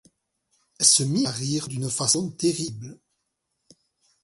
Elle se mit à rire d'une façon terrible.